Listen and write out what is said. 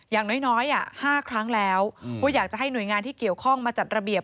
อย่างน้อย๕ครั้งแล้วว่าอยากจะให้หน่วยงานที่เกี่ยวข้องมาจัดระเบียบ